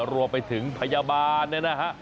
รวมไปถึงพยาบาลนะฮะ